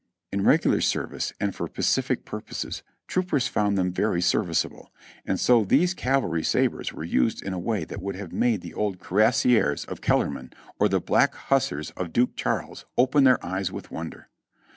In regular service and for pacific purposes troopers found them very serviceable, and so these cavalry sabres were used in a way that would have made the old Cuirassiers of Kellerman or the Black Hussars of Duke Charles open their eyes with wonder.